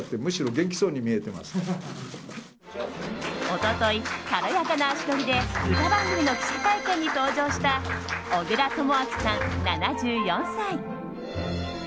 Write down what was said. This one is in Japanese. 一昨日、軽やかな足取りで歌番組の記者会見に登場した小倉智昭さん、７４歳。